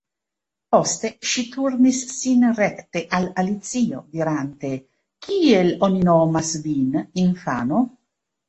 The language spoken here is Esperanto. Poste ŝi turnis sin rekte al Alicio, dirante: "Kiel oni nomas vin, infano?"